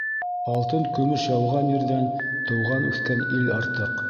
Алтын-көмөш яуған ерҙән тыуған-үҫкән ил артыҡ.